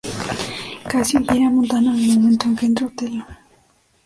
Cassio hiere a Montano en el momento en que entra Otelo.